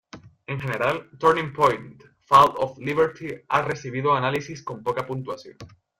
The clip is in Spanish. En general, "Turning Point: Fall of Liberty" ha recibido análisis con poca puntuación.